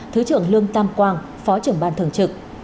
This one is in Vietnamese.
thứ trưởng lương tam quang phó trưởng ban thường trực